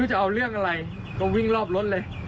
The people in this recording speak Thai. คุณธิชานุลภูริทัพธนกุลอายุ๓๔